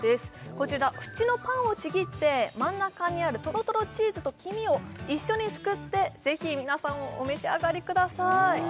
こちらふちのパンをちぎって真ん中にあるトロトロチーズと黄身を一緒にすくってぜひ皆さんお召し上がりください